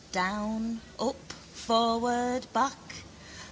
Down, up, forward, back.